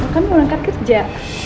maka mau angkat kerja